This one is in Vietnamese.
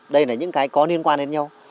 đây là những cái có liên quan đến nhau